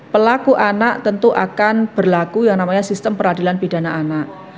pelaku anak tentu akan berlaku yang namanya sistem peradilan pidana anak